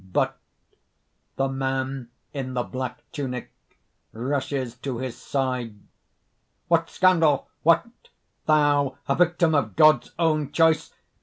_ But ) THE MAN IN THE BLACK TUNIC (rushes to his side.) "What scandal! What! Thou! a victim of God's own choice!